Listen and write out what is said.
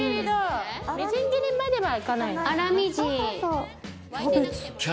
みじん切りまではいかないのかな。